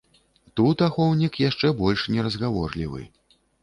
Тут ахоўнік яшчэ больш неразгаворлівы.